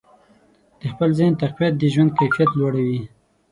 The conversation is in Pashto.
د خپل ذهن تقویت د ژوند کیفیت لوړوي.